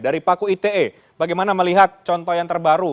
dari paku ite bagaimana melihat contoh yang terbaru